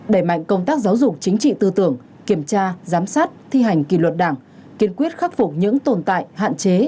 đẩy mạnh công tác giáo dục chính trị tư tưởng kiểm tra giám sát thi hành kỳ luật đảng kiên quyết khắc phục những tồn tại hạn chế